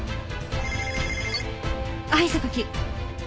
はい榊。